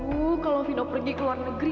bu kalau vino pergi ke luar negeri